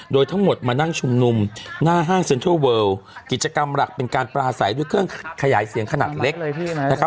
โดยทั้งหมดมานั่งชุมนุมหน้าห้างเซ็นทรัลเวิลกิจกรรมหลักเป็นการปลาใสด้วยเครื่องขยายเสียงขนาดเล็ก